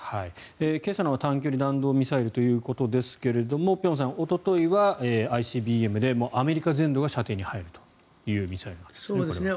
今朝のは大陸間弾道ミサイルということですが辺さん、おとといはＩＣＢＭでアメリカ全土が射程に入るというミサイルなんですね、これは。